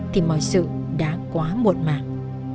thì mọi sự đã quá muộn màng